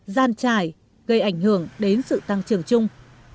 gian trải gây ảnh hưởng đến sự tăng trưởng chung